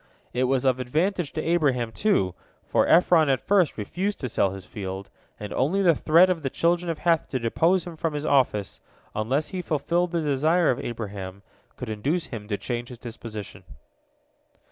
It was of advantage to Abraham, too, for Ephron at first refused to sell his field, and only the threat of the children of Heth to depose him from his office, unless he fulfilled the desire of Abraham, could induce him to change his disposition.